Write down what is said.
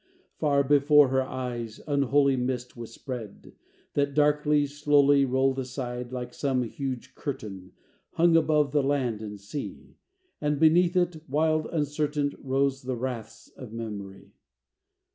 Far before her eyes, unholy Mist was spread; that darkly, slowly Rolled aside, like some huge curtain Hung above the land and sea; And beneath it, wild, uncertain, Rose the wraiths of memory.